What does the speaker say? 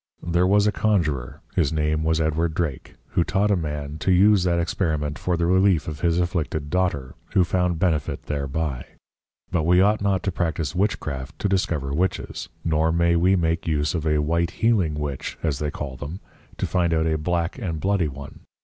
_There was a Conjurer his name was +Edward Drake+ who taught a Man to use that Experiment for the Relief of his afflicted Daughter, who found benefit thereby;_ But we ought not to practice Witchcraft to discover Witches, nor may we make use of a White healing Witch (as they call them) to find out a Black and Bloody one.